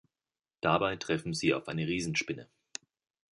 Dabei treffen sie auf eine Riesenspinne.